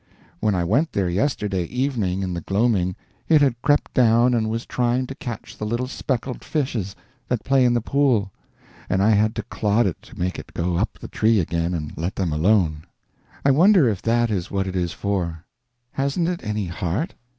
When I went there yesterday evening in the gloaming it had crept down and was trying to catch the little speckled fishes that play in the pool, and I had to clod it to make it go up the tree again and let them alone. I wonder if _that _is what it is for? Hasn't it any heart?